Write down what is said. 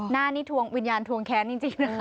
หน้านี่ทวงวิญญาณทวงแค้นจริงนะคะ